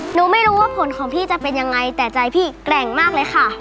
หนูไม่รู้ว่าผลของพี่จะเป็นยังไงแต่ใจพี่แกร่งมากเลยค่ะ